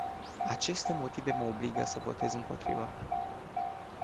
Aceste motive mă obligă să votez împotrivă.